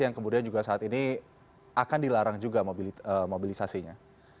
yang kemudian juga saat ini akan dilarang juga mobilisasinya